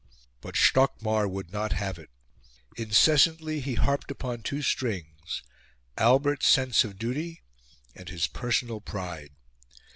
But Stockmar would not have it. Incessantly, he harped upon two strings Albert's sense of duty and his personal pride.